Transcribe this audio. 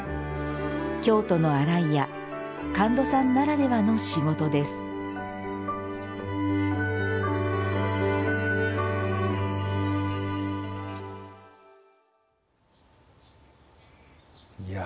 京都の洗い屋神門さんならではの仕事ですいや